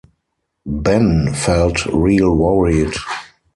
Ben felt real worried.